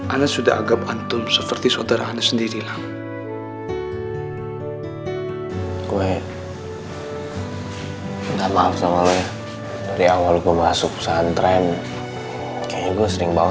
ana sudah anggap antum seperti saudara ana sendiri lang